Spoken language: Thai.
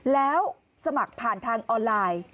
แล้วสมัครผ่านทางออนไลน์